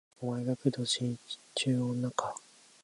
お前が工藤新一っちゅう女か